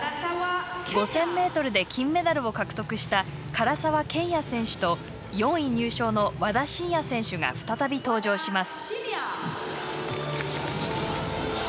５０００ｍで金メダルを獲得した唐澤剣也選手と４位入賞の和田伸也選手が再び登場します。